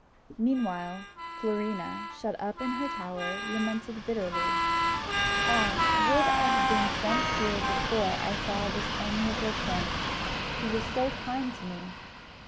Meanwhile Florina, shut up in her tower, lamented bitterly. "Ah, would I had been sent here before I saw this amiable prince, who was so kind to me!